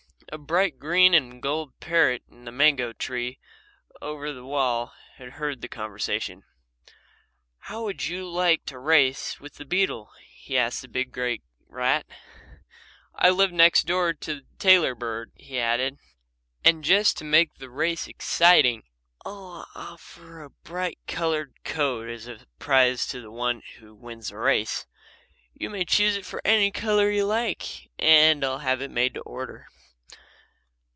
A bright green and gold parrot in the mango tree over the wall had heard the conversation. "How would you like to race with the beetle?" he asked the big grey rat. "I live next door to the tailor bird," he added, "and just to make the race exciting I'll offer a bright coloured coat as a prize to the one who wins the race. You may choose for it any colour you like and I'll have it made to order."